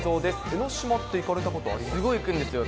江の島って行かれたことありますか？